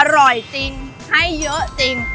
อร่อยจริงให้เยอะจริง